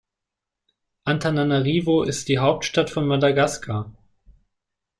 Antananarivo ist die Hauptstadt von Madagaskar.